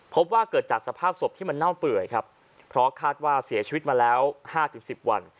พบว่าเกิดจากสภาพศพที่มันเน่าเปื่อยครับเพราะคาดว่าเสียชีวิตมาแล้ว๕๑๐วัน